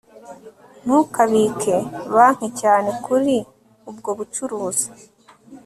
Ntukabike banki cyane kuri ubwo bucuruzi